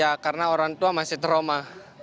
ya karena orang tua masih trauma